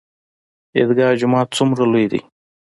عیدګاه جومات څومره لوی دی؟